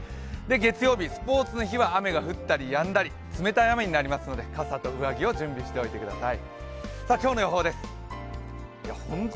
月曜日、スポーツの日は、雨が降ったりやんだり冷たい雨になりますので傘と上着を準備しておいてください。